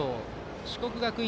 四国学院